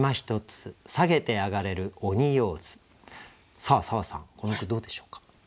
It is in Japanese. さあ砂羽さんこの句どうでしょうか？